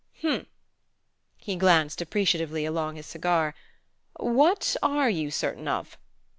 "H'm." He glanced appreciatively along his cigar. "What are you certain of?"